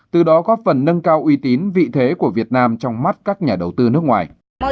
từ đó góp phần nâng cao uy tín vị thế của việt nam trong mắt các nhà đầu tư nước ngoài